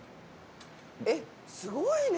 えっすごいね。